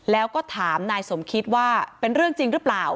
แล้วก็ถามนายสมคิดว่าเป็นเรื่องจริงหรือเปล่า